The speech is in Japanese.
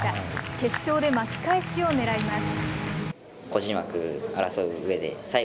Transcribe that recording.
決勝で巻き返しを狙います。